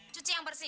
cuci yang bersih